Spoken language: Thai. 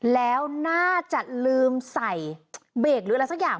แล้วน่าจะลืมใส่เบรกหรืออะไรสักอย่าง